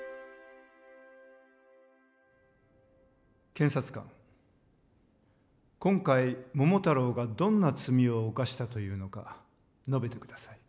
検察官今回桃太郎がどんな罪を犯したというのか述べてください。